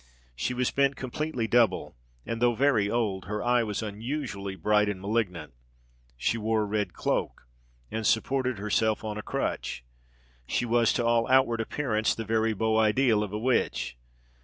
She was bent completely double; and though very old, her eye was unusually bright and malignant. She wore a red cloak, and supported herself on a crutch: she was, to all outward appearance, the very beau ideal of a witch.